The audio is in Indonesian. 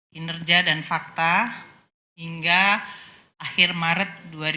kinerja dan fakta hingga akhir maret dua ribu dua puluh